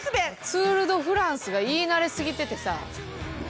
ツール・ド・フランスが言い慣れすぎててさ。